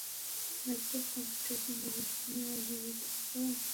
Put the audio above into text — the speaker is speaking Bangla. ল্যাপটপ কম্পিউটার কিংবা মুঠোফোনের আলোর উজ্জ্বলতা রাতে কমিয়ে কাজ করার অভ্যাস করুন।